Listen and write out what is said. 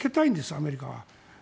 アメリカは。